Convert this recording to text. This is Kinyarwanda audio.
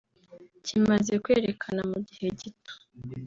kimaze kwerekana mu gihe gito